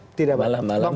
malah malah juga mengganggu